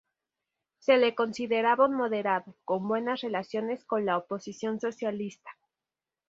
Se le consideraba un moderado, con buenas relaciones con la oposición socialista.